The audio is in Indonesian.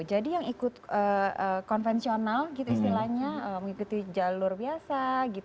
jadi yang ikut konvensional gitu istilahnya mengikuti jalur biasa